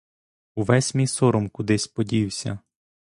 Увесь мій сором кудись подівся.